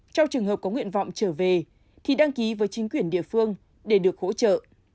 trong trường hợp có nguyện vọng trở về thì đăng ký với chính quyền địa phương để được hỗ trợ